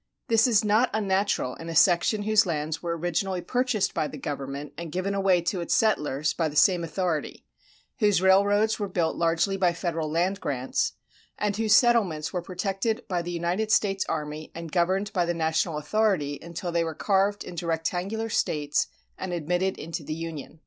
This is not unnatural in a section whose lands were originally purchased by the government and given away to its settlers by the same authority, whose railroads were built largely by federal land grants, and whose settlements were protected by the United States army and governed by the national authority until they were carved into rectangular States and admitted into the Union.